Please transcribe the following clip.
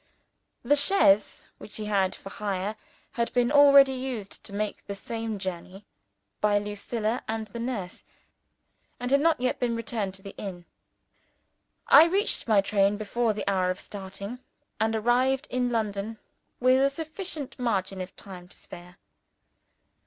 The chaise which he had for hire had been already used to make the same journey by Lucilla and the nurse, and had not yet been returned to the inn. I reached my train before the hour of starting, and arrived in London with a sufficient margin of time to spare.